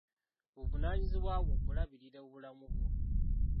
Buvunaanyizibwa bwo okulabirira obulamu bwo.